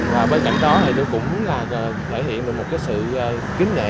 và bên cạnh đó thì tôi cũng thể hiện được một cái sự kính nghệ